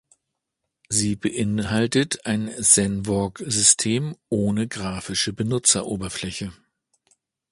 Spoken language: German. Sie beinhaltet ein Zenwalk-System ohne grafische Benutzeroberfläche.